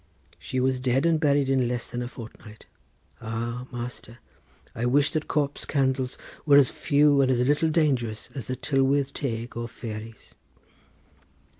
she was dead and buried in less than a fortnight. Ah, master, I wish that corpse candles were as few and as little dangerous as the Tylwith Teg or fairies."